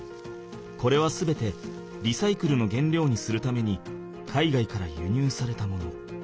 これは全てリサイクルの原料にするために海外からゆにゅうされたもの。